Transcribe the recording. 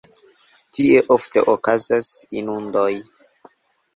Tie ofte okazas inundoj.